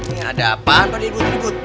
ini ada apaan pak dedy bu